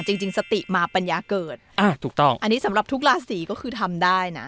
จริงจริงสติมาปัญญาเกิดอ่าถูกต้องอันนี้สำหรับทุกราศีก็คือทำได้นะ